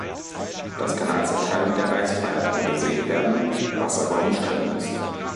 Das kann als Erteilung der Reichsfreiheit angesehen werden, was aber umstritten ist.